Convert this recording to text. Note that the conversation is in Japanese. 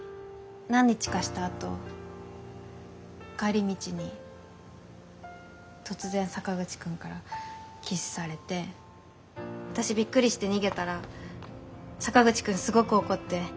何日かしたあと帰り道に突然坂口くんからキスされて私びっくりして逃げたら坂口くんすごく怒って。